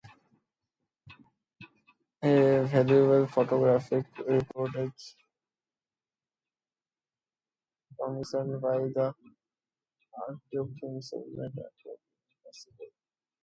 A valuable photographic reportage commissioned by the archduke himself made accurate reconstruction possible.